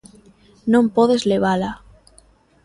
Non podes levala.